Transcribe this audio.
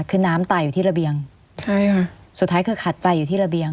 คือน้ำตายอยู่ที่ระเบียงใช่ค่ะสุดท้ายคือขัดใจอยู่ที่ระเบียง